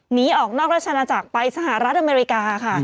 หนีออกนอกราชนาจักรไปสหรัฐอเมริกาค่ะ